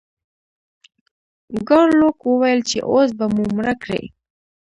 ګارلوک وویل چې اوس به مو مړه کړئ.